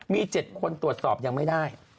มี๗คนตรวจสอบยังไม่ได้